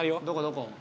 どこ？